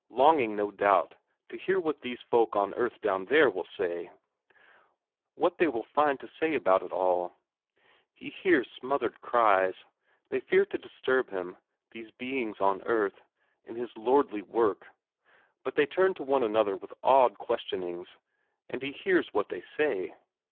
Longing, no doubt, to hear what these folk on earth down there will say; what they will find to say about it all. He hears smothered cries; they fear to disturb him, these beings on earth, in his lordly work, but they turn to one another with awed questionings, and he hears what they say.